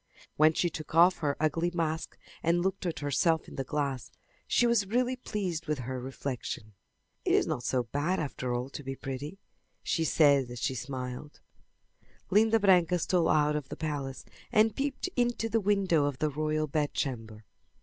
When she took off her ugly mask and looked at herself in the glass she was really pleased with her reflection. "It is not so bad after all to be pretty," she said as she smiled. Linda Branca stole out of the palace and peeped into the window of the royal bedchamber.